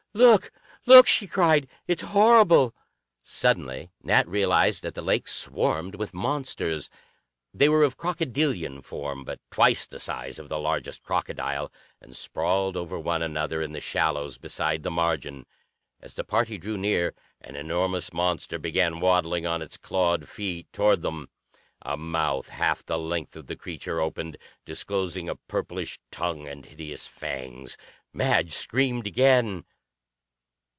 "Look, look!" she cried. "It's horrible!" Suddenly Nat realized that the lake swarmed with monsters. They were of crocodilian form, but twice the size of the largest crocodile, and sprawled over one another in the shallows beside the margin. As the party drew near, an enormous monster began waddling on its clawed feet toward them. A mouth half the length of the creature opened, disclosing a purplish tongue and hideous fangs. Madge screamed again.